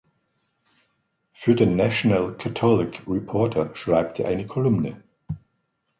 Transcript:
Für den "National Catholic Reporter" schreibt er eine Kolumne.